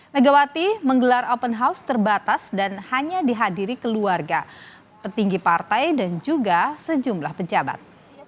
megawati menggelar open house terbatas dan hanya dihadiri keluarga petinggi partai dan juga sejumlah pejabat